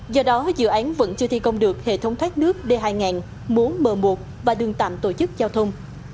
do đó dự án vẫn chưa thi công được hệ thống thoát nước d hai nghìn múa m một và đường tạm tổ chức giao thông